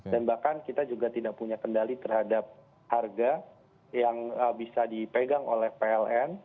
dan bahkan kita juga tidak punya kendali terhadap harga yang bisa dipegang oleh pln